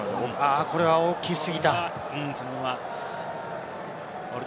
これは大きすぎた。